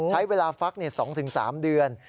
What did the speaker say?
ใช้เวลาฟัก๒๓เดือน